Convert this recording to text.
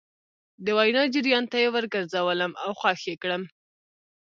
د وينا جريان ته يې ور ګرځولم او خوښ يې کړم.